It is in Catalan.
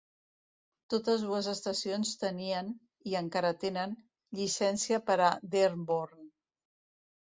Totes dues estacions tenien, i encara tenen, llicència per a Dearborn.